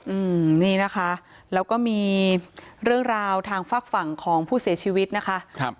อืมนี่นะคะแล้วก็มีเรื่องราวทางฝากฝั่งของผู้เสียชีวิตนะคะครับ